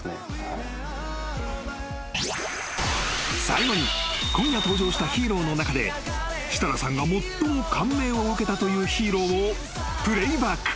［最後に今夜登場したヒーローの中で設楽さんが最も感銘を受けたというヒーローをプレーバック］